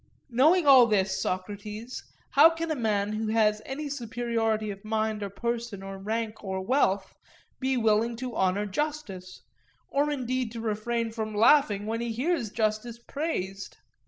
Knowing all this, Socrates, how can a man who has any superiority of mind or person or rank or wealth, be willing to honour justice; or indeed to refrain from laughing when he hears justice praised?